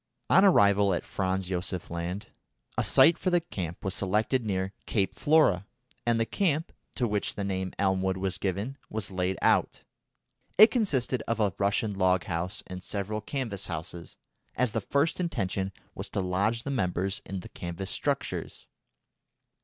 On arrival at Franz Josef Land, a site for the camp was selected near Cape Flora, and the camp, to which the name Elmwood was given, was laid out. It consisted of a Russian log house and several canvas houses, as the first intention was to lodge the members in the canvas structures.